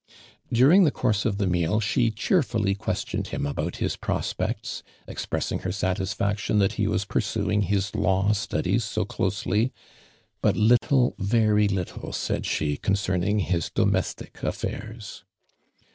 During the course of the meal she cheer fully questioned him about his jjrospecU , expressing her satisfaction that he was pur suing his law studies so closely, tut little, very little said she concerning his domestic affairs.